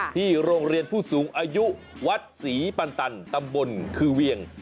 ที่โรงเรียนผู้สูงอายุวัดศรีปันตันตำบลคือเวียง